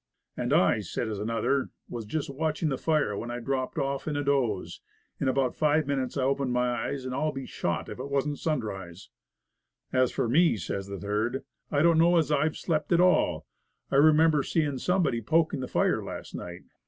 "And I," says another, "was just watching the fire, when I dropped off in a doze. In about five minutes I opened my eyes, and I'll be shot if it wasn't sun rise." "As for _ me," says a third, "I don't know as I've slept at all. I remember seeing somebody poking the fire last night.